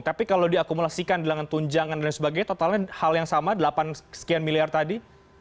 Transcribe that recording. tapi kalau diakumulasikan di langan tunjangan dan sebagainya totalnya hal yang sama delapan sekian miliar tadi